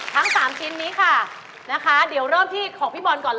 ทั้ง๓ชิ้นนี้ค่ะนะคะเดี๋ยวเริ่มที่ของพี่บอลก่อนเลย